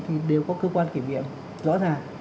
thì đều có cơ quan kiểm nghiệm rõ ràng